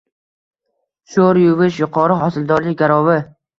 Sho‘r yuvish – yuqori hosildorlik garovi